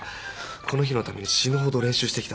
この日のために死ぬほど練習してきたんだ。